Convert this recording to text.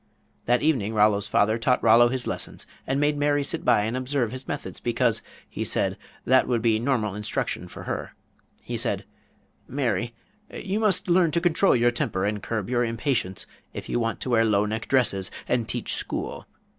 That evening Rollo's father taught Rollo his lesson and made Mary sit by and observe his methods, because, he said, that would be normal instruction for her. He said: "Mary, you must learn to control your temper and curb your impatience if you want to wear low neck dresses, and teach school.